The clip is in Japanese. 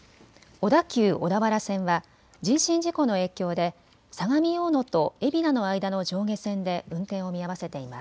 小田急小田原線は人身事故の影響で相模大野と海老名の間の上下線で運転を見合わせています。